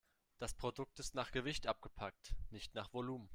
Das Produkt ist nach Gewicht abgepackt, nicht nach Volumen.